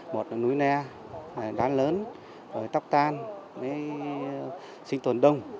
một là núi ne đá lớn tóc tan sinh tuần đông